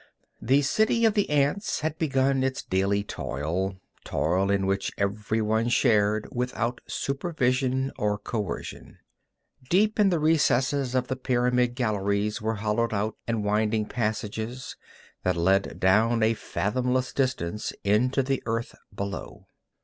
The city of the ants had begun its daily toil, toil in which every one shared without supervision or coercion. Deep in the recesses of the pyramid galleries were hollowed out and winding passages that led down a fathomless distance into the earth below.